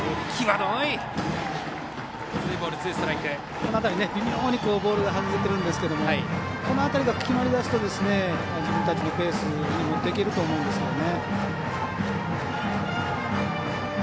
この辺り、微妙にボールが跳ねてるんですけどこの辺りが決まりだすと自分たちのペースに持っていけると思うんですよね。